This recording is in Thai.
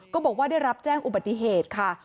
ก็บอกว่าได้รับแจ้งอุบัติเหตุค่ะ